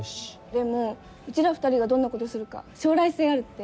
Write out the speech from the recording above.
でもうちら２人がどんなことするか将来性あるって。